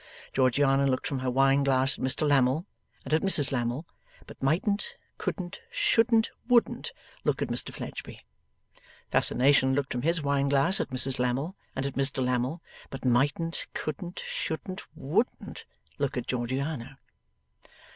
Georgiana looked from her wine glass at Mr Lammle and at Mrs Lammle; but mightn't, couldn't, shouldn't, wouldn't, look at Mr Fledgeby. Fascination looked from his wine glass at Mrs Lammle and at Mr Lammle; but mightn't, couldn't, shouldn't, wouldn't, look at Georgiana.